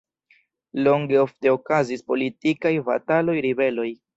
Longe ofte okazis politikaj bataloj, ribeloj.